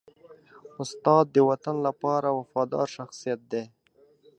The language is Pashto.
استاد د وطن لپاره وفادار شخصیت دی.